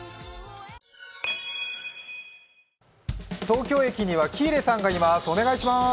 東京駅には喜入さんがいます。